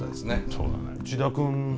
そうだね。